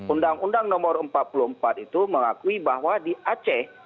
undang undang nomor empat puluh empat itu mengakui bahwa di aceh